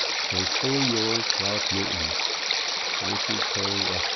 Faithfully yours, RALPH NEWTON. Richard Carey, Esq.